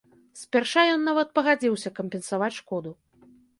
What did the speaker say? Спярша ён нават пагадзіўся кампенсаваць шкоду.